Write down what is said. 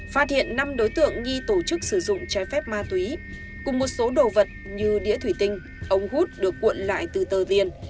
phát hiện năm đối tượng nghi tổ chức sử dụng trái phép ma túy cùng một số đồ vật như đĩa thủy tinh ống hút được cuộn lại từ tờ tiền